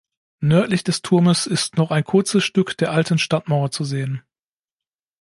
Nördlich des Turmes ist noch ein kurzes Stück der alten Stadtmauer zu sehen.